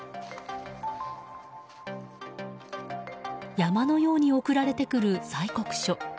山のように送られてくる催告書。